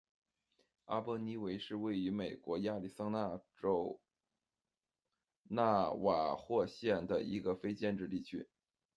阿波尼维是位于美国亚利桑那州纳瓦霍县的一个非建制地区。